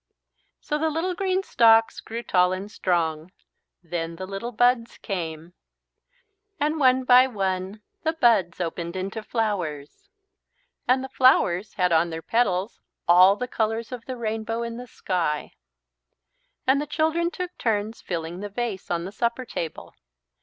So the little green stalks grew tall and strong. Then the little buds came. And one by one the buds opened into flowers. And the flowers had on their petals all the colours of the rainbow in the sky. And the children took turns filling the vase on the supper table.